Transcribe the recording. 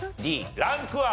Ｄランクは？